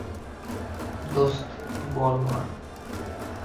দোস্ত, বল মার।